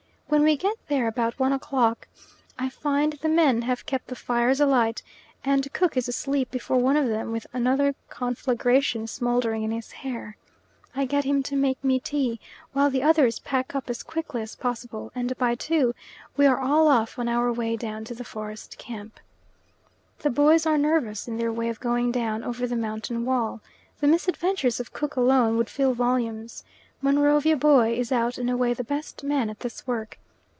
When we get there, about one o'clock, I find the men have kept the fires alight and Cook is asleep before one of them with another conflagration smouldering in his hair. I get him to make me tea, while the others pack up as quickly as possible, and by two we are all off on our way down to the forest camp. The boys are nervous in their way of going down over the mountain wall. The misadventures of Cook alone would fill volumes. Monrovia boy is out and away the best man at this work.